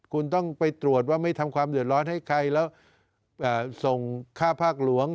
คุณต้องไปตรวจว่าไม่ทำความเดือดร้อนให้ใครแล้วส่งค่าภาคหลวง